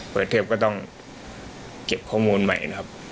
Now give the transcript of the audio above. ประเทศก็ต้องเก็บข้อมูลใหม่นะครับ